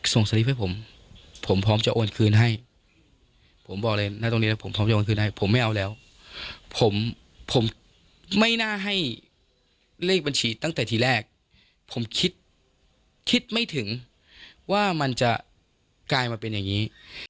สลิปให้ผมผมพร้อมจะโอนคืนให้ผมบอกเลยนะตรงนี้แล้วผมพร้อมจะโอนคืนให้ผมไม่เอาแล้วผมผมไม่น่าให้เลขบัญชีตั้งแต่ทีแรกผมคิดคิดไม่ถึงว่ามันจะกลายมาเป็นอย่างนี้